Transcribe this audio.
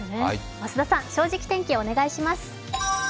増田さん、「正直天気」お願いします。